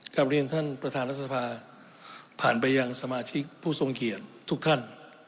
กลับเรียนท่านประธานรัฐสภาผ่านไปยังสมาชิกผู้ทรงเกียจทุกท่าน